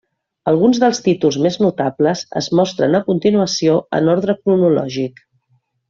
Alguns dels títols més notables es mostren a continuació en ordre cronològic.